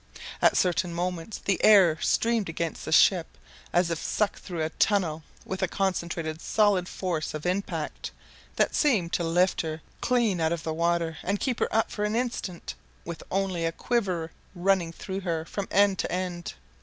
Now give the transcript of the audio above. At certain moments the air streamed against the ship as if sucked through a tunnel with a concentrated solid force of impact that seemed to lift her clean out of the water and keep her up for an instant with only a quiver running through her from end to end.